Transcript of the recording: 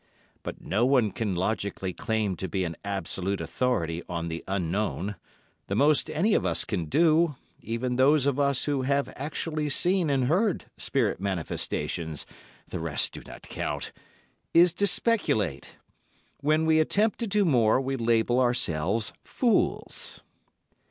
But no one can logically claim to be an absolute authority on the Unknown; the most any of us can do—even those of us who have actually seen and heard spirit manifestations—the rest do not count—is to speculate. When we attempt to do more, we label ourselves fools.